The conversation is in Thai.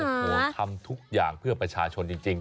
โอ้โหทำทุกอย่างเพื่อประชาชนจริง